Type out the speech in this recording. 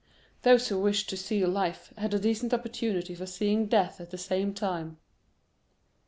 Those who wished to see life had a decent opportunity for seeing death at the same time."